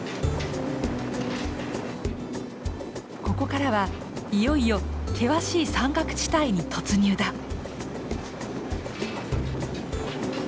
ここからはいよいよ険しい山岳地帯に突入だ！